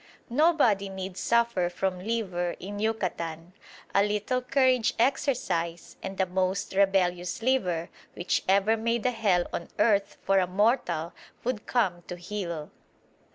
Nobody need suffer from liver in Yucatan. A little carriage exercise, and the most rebellious liver which ever made a hell on earth for a mortal would "come to heel."